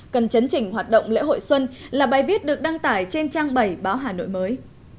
cần chấn chỉnh hoạt động lễ hội xuân là bài viết được đăng tải trên trang bảy báo hà nội mới